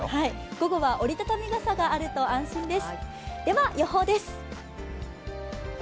午後は折り畳み傘があると安心です。